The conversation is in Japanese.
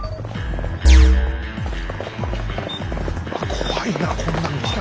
怖いなこんなん来たら。